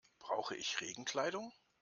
Brauche ich Regenkleidung?